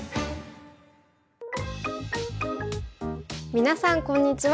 皆さんこんにちは。